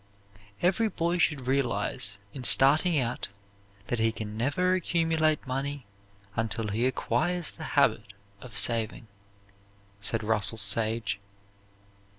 "Every boy should realize, in starting out, that he can never accumulate money unless he acquires the habit of saving," said Russell Sage.